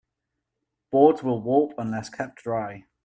Boards will warp unless kept dry.